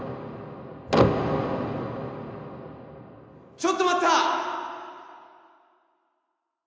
ちょっと待った！